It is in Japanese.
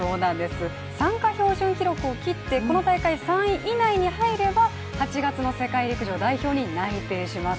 参加標準記録を切って、この大会３位以内に入れば８月の世界陸上代表に内定します。